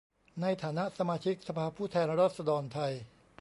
ในฐานะสมาชิกสภาผู้แทนราษฎรไทย